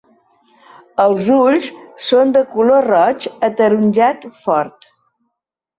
Els ulls són de color roig ataronjat fort.